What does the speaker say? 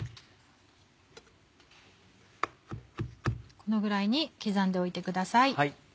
このぐらいに刻んでおいてください。